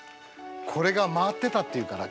これが回ってたっていうから。